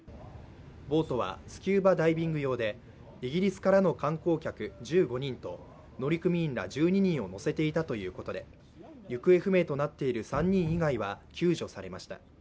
ボートはスキューバダイビング用で、イギリスからの観光客１５人と乗組員ら１２人を乗せていたということで、行方不明となっている３人以外は救助されました。